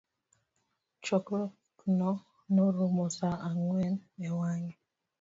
Chokruogno norumo sa ang'wen e wange